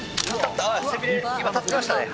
今立ちましたね。